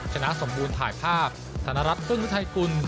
ชนะสมบูรณ์ถ่ายภาพธนรัฐพึ่งวิทัยกุล